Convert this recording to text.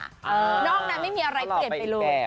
นอกนั้นไม่มีอะไรเปลี่ยนไปเลย